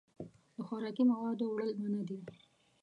د خوراکي موادو وړل منع دي.